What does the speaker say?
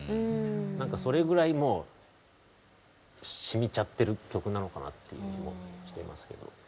なんかそれぐらいもう染みちゃってる曲なのかなっていう気もしていますけど。